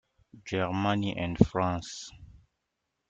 Germany and France.